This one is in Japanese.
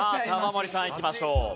玉森さんいきましょう。